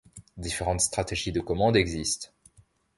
Différentes stratégies de commande existent.